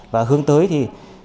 và hướng tới thì